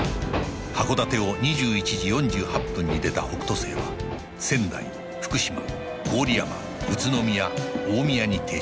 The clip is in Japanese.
函館を２１時４８分に出た北斗星は仙台福島郡山宇都宮大宮に停車